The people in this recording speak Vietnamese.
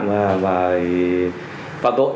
và phạm tội